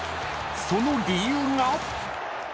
［その理由が］